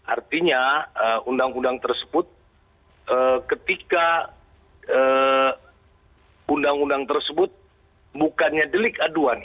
artinya undang undang tersebut ketika undang undang tersebut bukannya delik aduan